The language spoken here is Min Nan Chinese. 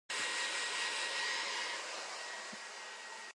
食米毋知米價